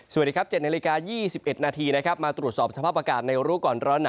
สวัสดีครับ๗๒๑นมาตรวจสอบสภาพอากาศในรูกก่อนร้อนหนาว